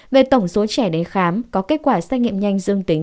về tổng số trẻ đến khám có kết quả xét nghiệm nhanh dương tính